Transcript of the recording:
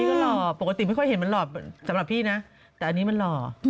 ก็หล่อปกติไม่ค่อยเห็นมันหล่อสำหรับพี่นะแต่อันนี้มันหล่อ